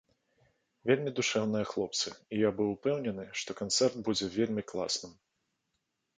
Вельмі душэўныя хлопцы, і я быў упэўнены, што канцэрт будзе вельмі класным.